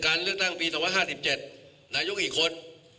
การเลือกตั้งปี๑๙๕๗นายุคลี่คน